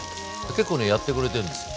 結構ねやってくれてんですよ。